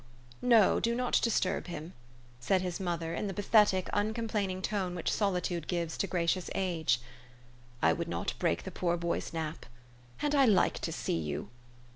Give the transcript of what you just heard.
No, do not disturb him," said his mother in the pathetic, uncomplaining tone which solitude gives to gracious age. " I would not break the poor boy's nap. And I like to see you.